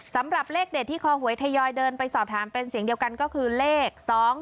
สำหรับเลขเด็ดที่คอหวยทยอยเดินไปสอบถามเป็นเสียงเดียวกันก็คือเลข๒๒